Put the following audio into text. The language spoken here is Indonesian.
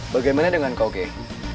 bagaimana dengan kau keh